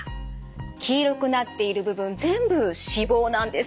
黄色くなっている部分全部脂肪なんです。